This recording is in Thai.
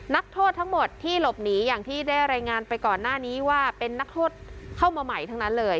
นักโทษทั้งหมดที่หลบหนีอย่างที่ได้รายงานไปก่อนหน้านี้ว่าเป็นนักโทษเข้ามาใหม่ทั้งนั้นเลย